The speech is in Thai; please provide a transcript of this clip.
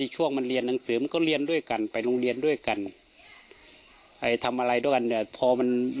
การรับให้คนไปคุยในคุยอะไรก็เหมือนข้อมูล